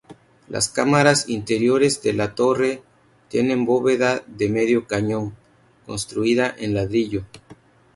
Las cámaras interiores de la torre tienen bóveda de medio cañón, construida en ladrillo.